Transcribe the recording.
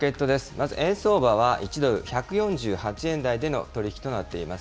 まず、円相場は１ドル１４８円台での取り引きとなっています。